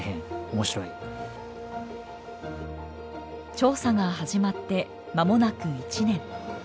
調査が始まって間もなく１年。